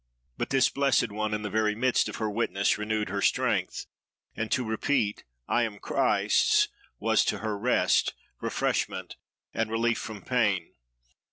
"But this blessed one, in the very midst of her 'witness,' renewed her strength; and to repeat, I am Christ's! was to her rest, refreshment, and relief from pain.